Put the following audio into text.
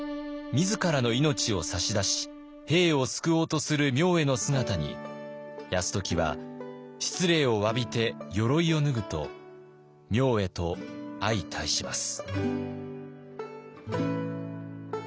自らの命を差し出し兵を救おうとする明恵の姿に泰時は失礼をわびて鎧を脱ぐと明恵と相対します。